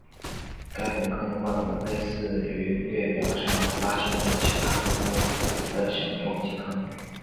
该陨坑的外观类似于月表上发现的其它众多的小撞击坑。